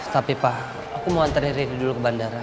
tapi pak aku mau ntarin riri dulu ke bandara